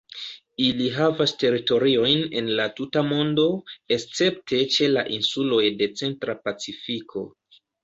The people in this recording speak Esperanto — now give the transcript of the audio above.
Ili havas teritoriojn en la tuta mondo, escepte ĉe la insuloj de centra Pacifiko.